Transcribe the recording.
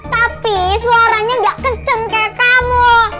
tapi suaranya gak kenceng kayak kamu